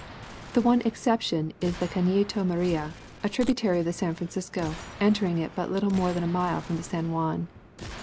The one exception is the Canito Maria, a tributary of the San Francisco, entering it but little more than a mile from the San Juan.